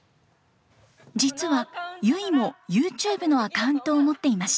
実はゆいもＹｏｕＴｕｂｅのアカウントを持っていました。